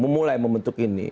memulai membentuk ini